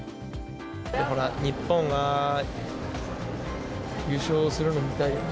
日本が優勝するの見たいよね。